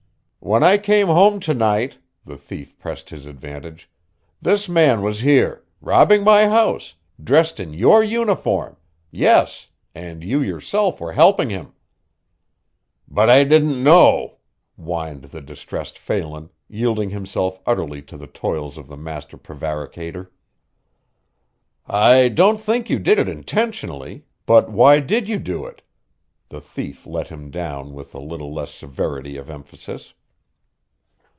"When I came home to night," the thief pressed his advantage, "this man was here robbing my house, dressed in your uniform yes, and you yourself were helping him." "But I didn't know," whined the distressed Phelan, yielding himself utterly to the toils of the master prevaricator. "I don't think you did it intentionally but why did you do it?" the thief let him down with a little less severity of emphasis.